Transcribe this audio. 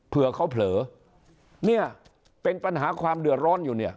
เผื่อเขาเผลอเนี่ยเป็นปัญหาความเดือดร้อนอยู่เนี่ย